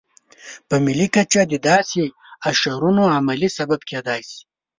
په ملي کچه د داسې اشرونو عملي سبب کېدای شي.